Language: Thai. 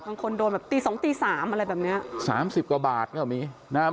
บางคนโดนแบบตีสองตีสามอะไรแบบเนี้ยสามสิบกว่าบาทก็มีนะฮะ